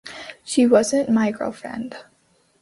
She wasn't my girlfriend.